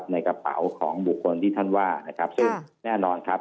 ในกระเป๋าของบุคคลที่ท่านว่านะครับซึ่งแน่นอนครับ